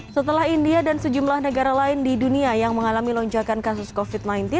setelah india dan sejumlah negara lain di dunia yang mengalami lonjakan kasus covid sembilan belas